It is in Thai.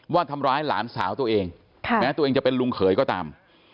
ว่าทำร้ายหลานสาวตัวเองแม้ตัวเองจะเป็นลุงเขยก็ตาม